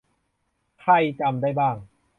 ใครจำได้บ้าง